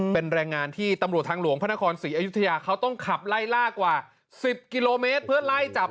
เป็นแรงงานที่ตำรวจทางหลวงพระนครศรีอยุธยาเขาต้องขับไล่ล่ากว่า๑๐กิโลเมตรเพื่อไล่จับ